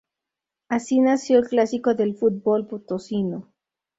Así nació el clásico del fútbol potosino.